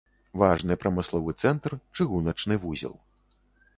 Важны прамысловы цэнтр, чыгуначны вузел.